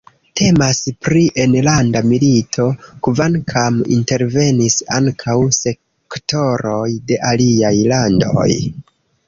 Temas pri enlanda milito, kvankam intervenis ankaŭ sektoroj de aliaj landoj.